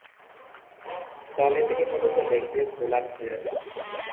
দলে তিনি মূলতঃ লেগ-ব্রেক বোলার ছিলেন।